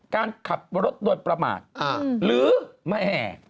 การขับรถโดยประมาทหรือแม่